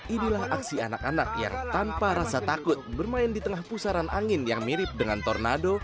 inilah aksi anak anak yang tanpa rasa takut bermain di tengah pusaran angin yang mirip dengan tornado